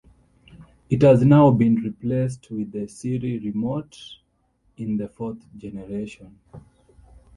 It has now been replaced with the Siri Remote in the fourth generation.